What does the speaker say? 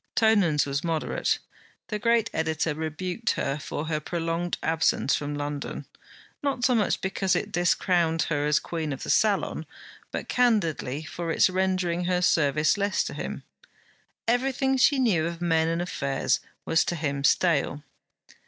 Tonans was moderate. The great editor rebuked her for her prolonged absence from London, not so much because it discrowned her as Queen of the Salon, but candidly for its rendering her service less to him. Everything she knew of men and affairs was to him stale.